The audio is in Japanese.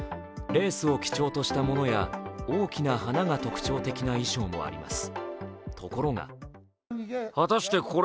レースを基調としたものや大きな花が特徴的なものもあります。